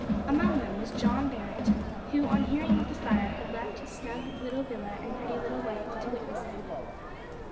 Among them was John Barret, who, on hearing of the fire, had left his snug little villa and pretty little wife to witness it.